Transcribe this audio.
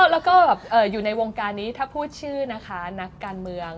แล้วก็อยู่ในวงการนี้ถ้าพูดชื่อนะคะนักการเมือง